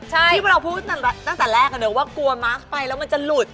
ใช่ที่เราพูดตั้งแต่แรกว่ากลัวมาร์คไปแล้วมันจะหลุด